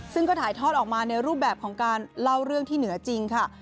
ซึ่งก็ถ่ายทอดออกมาในรูปแบบของการเล่าเรื่องที่เหนือจริงค่ะ